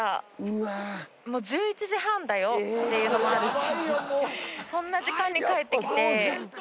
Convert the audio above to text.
っていうのもあるし。